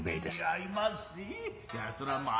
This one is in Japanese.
いやそらまあ